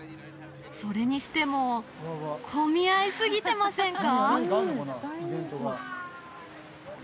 それにしても混み合いすぎてませんか？